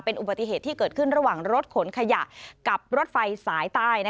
อุบัติเหตุที่เกิดขึ้นระหว่างรถขนขยะกับรถไฟสายใต้